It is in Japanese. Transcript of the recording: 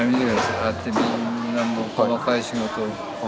ああやってみんな細かい仕事を。